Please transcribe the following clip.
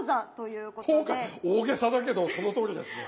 大げさだけどそのとおりですね。